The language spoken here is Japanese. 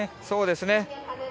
そうですね。